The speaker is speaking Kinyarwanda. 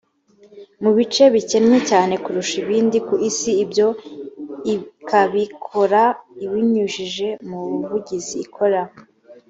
mu bice bikennye cyane kurusha ibindi ku isi ibyo ikabikora ibinyujije mu buvugizi ikora